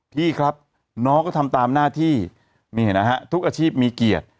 พี่ครับน้องก็ทำตามหน้าที่นี่นะฮะทุกอาชีพมีเกียรติ